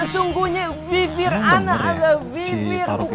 sesungguhnya bibir anak adalah bibir